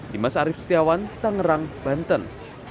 dimas arief setiawan tangerang banten